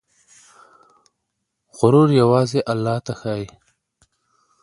غرور يوازې الله ته ښايي.